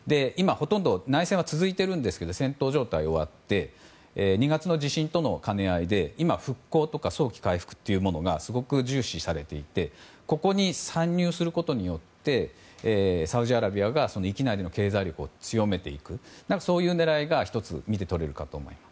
今、内戦は続いていますがほとんど戦闘状態が終わって２月の地震との兼ね合いで今、復興とか早期回復がすごく重視されていてここに参入することによってサウジアラビアが域内での経済力を強めていく狙いが１つ見て取れると思います。